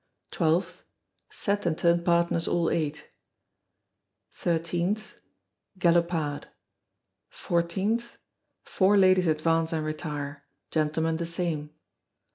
12th, Set and turn partners all eight. 13th, Galopade. 14th, Four ladies advance and retire, gentlemen the same.